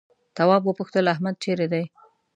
تواب وپوښتل احمد چيرې دی؟